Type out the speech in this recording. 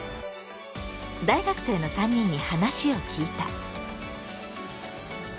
大学生の３人に話を聞いた。